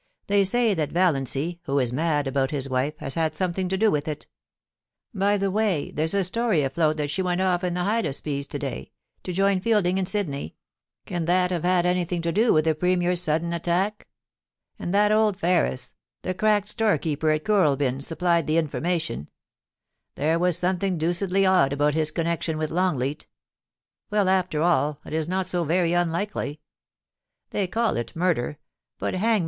They say that Val iancy, who is mad about his wife, has had something to do with it By the way, there's a story afloat that she went off in the Hydaspes to day, to join Fielding in Sydney — can that have had anything to do with the Premier's sudden attack ?— and that old Ferris, the cracked storekeeper at Kooralbyn, supplied the informatioiL There was something deucedly odd about his connection with Longleat Well, after all, it is not so very unlikely. They call it murder, but hang me THE IMPEACHMENT OF THE PREMIER.